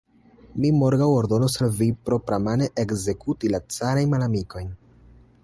Mi morgaŭ ordonos al vi propramane ekzekuti la carajn malamikojn.